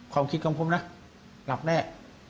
ความคิดของผมนะหลับแน่